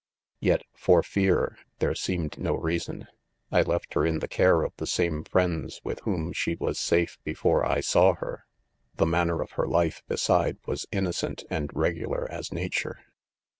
"Yet, '/or fiar^ there seemed bo reason. — 1 left her in the care of the same friends with whelm she was safe before I saw her ^ The man» ner of her life, beside., was innocent and reg ular as nature